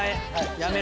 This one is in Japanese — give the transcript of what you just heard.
やめろ。